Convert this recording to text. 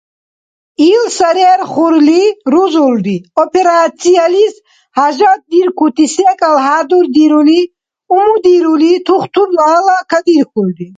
Ил сарерхурли рузулри операциялис хӏяжатдиркути секӏал хӏядурдирули, умудирули, тухтурла гьала кадирхьули.